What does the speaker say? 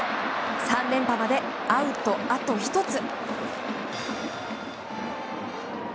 ３連覇までアウトあと１つ。